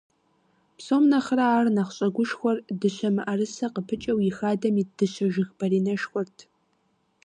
Псом нэхърэ ар нэхъ щӀэгушхуэр дыщэ мыӀэрысэ къыпыкӀэу и хадэм ит дыщэ жыг баринэшхуэрт.